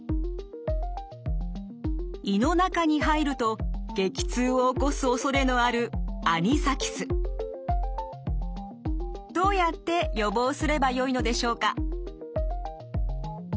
胃の中に入ると激痛を起こすおそれのあるどうやって予防すればよいのでしょうか。